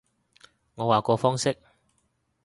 我話個方式